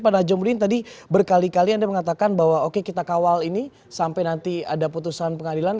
pak najamudin tadi berkali kali anda mengatakan bahwa oke kita kawal ini sampai nanti ada putusan pengadilan